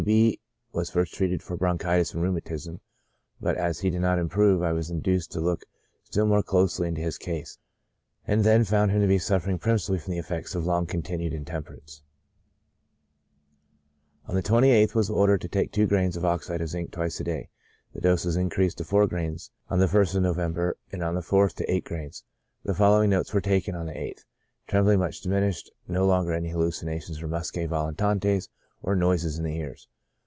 W. B — was first treated for bronchitis and rheumatism, but as he did not improve, I was induced to look still more closely into his case, and then found him to be suffering principally from the effects of long continued intemperance. October 28th, was ordered to take two grains of oxide of zinc twice a day. The dose was increased to four grains on the 1st of November, and on the 4th to eight grains. The following notes were taken on the 8th :" Trembling much diminished ; no longer any hallucinations or muscae volitantes, or noises in the ears.